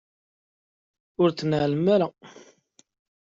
Ur ttnalemt ara.